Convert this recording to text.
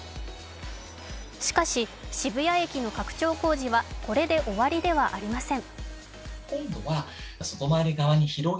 しかし、渋谷駅の拡張工事はこれで終わりではありません。